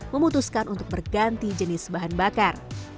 memutuskan untuk berganti jenis bahan bakar